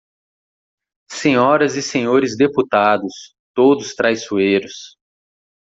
Senhoras e Senhores Deputados, todos traiçoeiros.